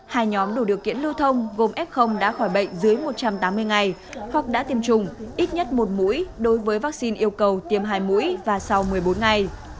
hai nhóm đủ điều kiện lưu thông gồm f đã khỏi bệnh dưới một trăm tám mươi ngày hoặc đã tiêm chủng ít nhất một mũi đối với vaccine yêu cầu tiêm hai mũi và sau một mươi bốn ngày